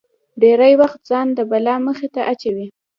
ډېری وخت ځان د بلا مخې ته اچوي.